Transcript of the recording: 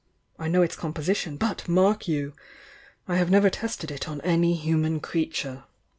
I know its com position, but, mark you! — I have never tested it on any human creature.